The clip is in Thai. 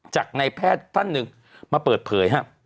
จากนายแพทย์ท่านหนึ่งมาเปิดเผย